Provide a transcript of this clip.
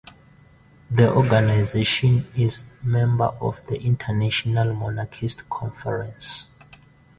The organization is member of the International Monarchist Conference.